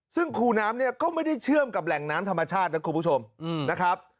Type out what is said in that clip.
ซึ่งคูน้ำเนี่ยก็ไม่ได้เชื่อมกับแหล่งน้ำธรรมชาตินะคุณผู้ชมนะครับ